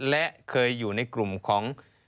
และเคยอยู่ในกลุ่มของ